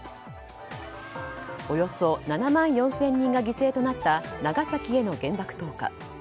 およそ７万４０００人が犠牲となった長崎への原爆投下。